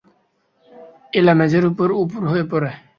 এলা মেঝের উপর উপুড় হয়ে পড়ে।